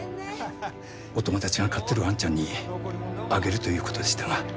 お友達が飼ってるワンちゃんにあげるという事でしたが。